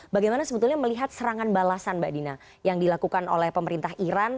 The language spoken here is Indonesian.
bagaimana sebetulnya melihat serangan balasan mbak dina yang dilakukan oleh pemerintah iran